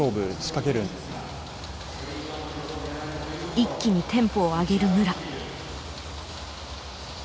一気にテンポを上げる武良。